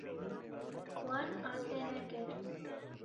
Wan asê nekir.